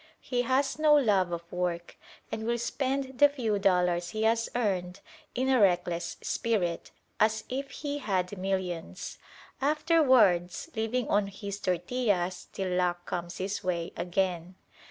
He has no love of work, and will spend the few dollars he has earned in a reckless spirit, as if he had millions: afterwards living on his tortillas till luck comes his way again.